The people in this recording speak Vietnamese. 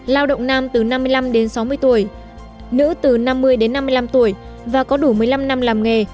bốn lao động nam từ năm mươi năm sáu mươi tuổi nữ từ năm mươi năm mươi năm tuổi và có đủ một mươi năm năm làm nghề